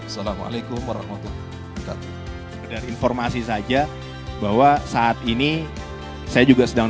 assalamualaikum warahmatullahi wabarakatuh informasi saja bahwa saat ini saya juga sedang